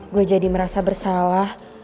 gue jadi merasa bersalah